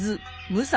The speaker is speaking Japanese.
武蔵